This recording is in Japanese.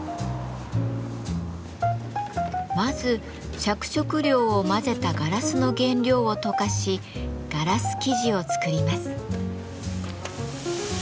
まず着色料を混ぜたガラスの原料を溶かしガラス素地を作ります。